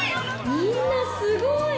みんなすごい！